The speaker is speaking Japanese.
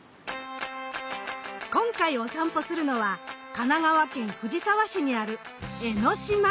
今回お散歩するのは神奈川県藤沢市にある江の島。